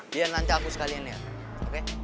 biar ngancah aku sekalian ya oke